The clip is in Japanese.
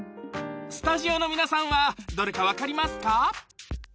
スタジオの皆さんはどれか分かりますか？